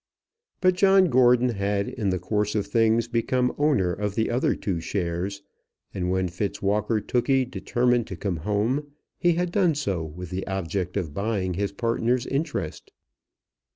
But John Gordon had in the course of things become owner of the other two shares, and when Fitzwalker Tookey determined to come home, he had done so with the object of buying his partner's interest.